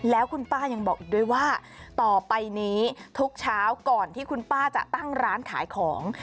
แล้วคุณป้ายังบอกอีกด้วยว่าต่อไปนี้ทุกเช้าก่อนที่คุณป้าจะตั้งร้านขายของ